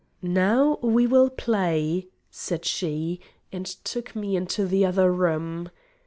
"Now we will play," said she, and took me into the other room.